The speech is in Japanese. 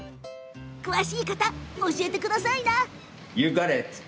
詳しい方、教えてください！